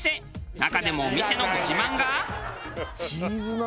中でもお店のご自慢が。